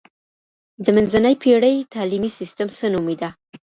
د منځنۍ پېړۍ تعلیمي سیستم څه نومیده؟